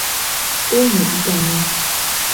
Улмы икән ни?